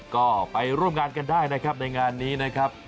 ก็ไปร่วมงานกันได้นะครับในงานนี้นะครับ